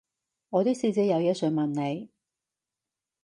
我啲師姐有嘢想問你